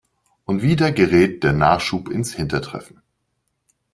Und wieder gerät der Nachschub ins hintertreffen.